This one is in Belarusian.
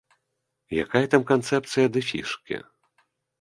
Якая там канцэпцыя ды фішкі!